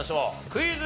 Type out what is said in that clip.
クイズ。